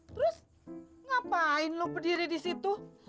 terus ngapain lo berdiri di situ